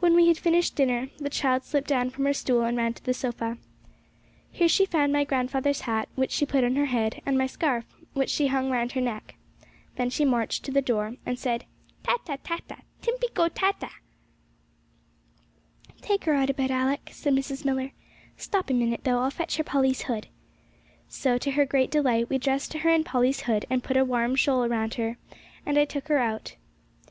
When we had finished dinner, the child slipped down from her stool, and ran to the sofa. Here she found my grandfather's hat, which she put on her head, and my scarf, which she hung round her neck. Then she marched to the door, and said, 'Tatta, tatta; Timpey go tatta.' 'Take her out a bit, Alick,' said Mrs. Millar. 'Stop a minute, though; I'll fetch her Polly's hood.' So, to her great delight, we dressed her in Polly's hood, and put a warm shawl round her, and I took her out.